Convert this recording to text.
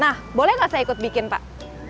nah boleh nggak saya ikut bikin pak